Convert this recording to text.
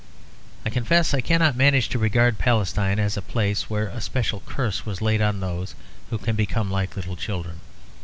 I confess I cannot manage to regard Palestine as a place where a special curse was laid on those who can become like little children.